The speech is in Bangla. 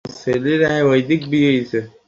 আমি স্বপ্নে দেখি যে, তোমাকে আমি যবেহ করছি।